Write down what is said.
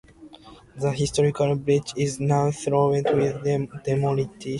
This historic bridge is now threatened with demolition.